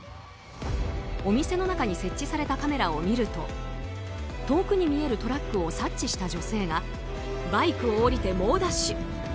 お店の中に設置されたカメラを見ると遠くに見えるトラックを察知した女性がバイクを降りて猛ダッシュ。